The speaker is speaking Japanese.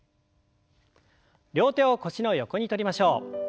両手を腰の横にとりましょう。